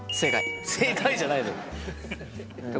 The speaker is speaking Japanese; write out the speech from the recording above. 「正解」じゃないのよ。